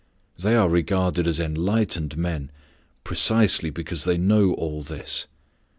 They are regarded as enlightened men precisely because they know all this.